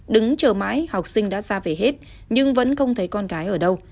đứng chờ mãi học sinh đã ra về hết nhưng vẫn không thấy con gái ở đâu